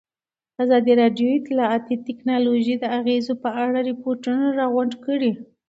ازادي راډیو د اطلاعاتی تکنالوژي د اغېزو په اړه ریپوټونه راغونډ کړي.